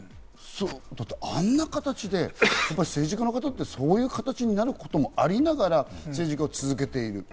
だって、あんな形で政治家の方ってそういう形になることもありながら政治家を続けている。